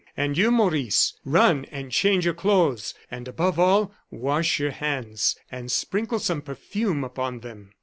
And you, Maurice, run and change your clothes; and, above all, wash your hands, and sprinkle some perfume upon them."